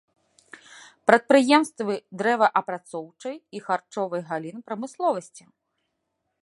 Прадпрыемствы дрэваапрацоўчай і харчовай галін прамысловасці.